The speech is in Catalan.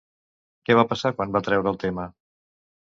Què va passar quan va treure el tema?